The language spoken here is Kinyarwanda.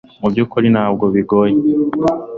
mubyukuri ntabwo bigoye